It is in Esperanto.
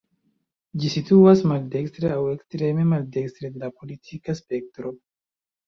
Ĝi situas maldekstre, aŭ ekstreme maldekstre de la politika spektro.